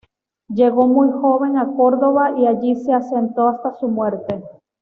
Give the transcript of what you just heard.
Llegó muy joven a Córdoba y allí se asentó hasta su muerte.